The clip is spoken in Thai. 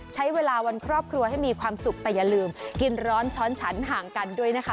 ใช้เวลาวันครอบครัวให้มีความสุขแต่อย่าลืมกินร้อนช้อนฉันห่างกันด้วยนะคะ